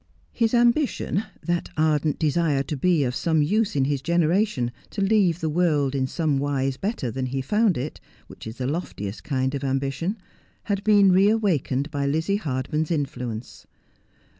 His ambition — that ardent desire to be of some use in his generation, to leave the world in some wise better than he found it, which is the loftiest kind of ambition — had been reawakened by Lizzie Hardman's influence.